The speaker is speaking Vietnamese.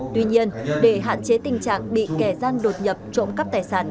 tuy nhiên để hạn chế tình trạng bị kẻ gian đột nhập trộm cắp tài sản